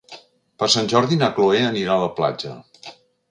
Per Sant Jordi na Cloè anirà a la platja.